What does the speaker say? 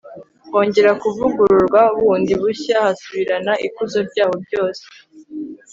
hongera kuvugururwa bundi bushya hasubirana ikuzo ryaho ryose